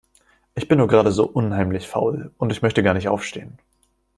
Ich bin nur gerade so unheimlich faul. Und möchte gar nicht aufstehen.